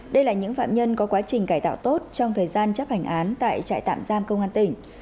đây là những phạm nhân có quá trình cải tạo tốt trong thời gian chấp hành án tại trại tạm giam công an tỉnh